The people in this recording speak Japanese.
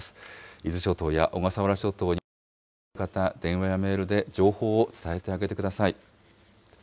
伊豆諸島や小笠原諸島にお知り合いがいる方、電話やメールで情報を伝えてあげてください。